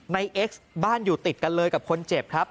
เอ็กซ์บ้านอยู่ติดกันเลยกับคนเจ็บครับ